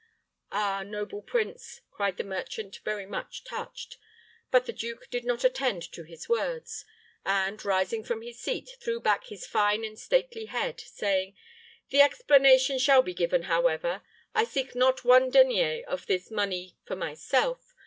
"Ah, noble prince," cried the merchant, very much touched. But the duke did not attend to his words; and, rising from his seat, threw back his fine and stately head, saying, "The explanation shall be given, however. I seek not one denier of this money for myself.